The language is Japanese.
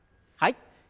はい。